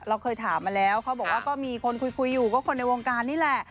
เราเคยถามมาแล้วเขาบอกว่าก็มีคนคุยอยู่ก็คนในวงการนี่แหละ